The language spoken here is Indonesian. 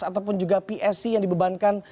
ataupun juga psc yang dibebankan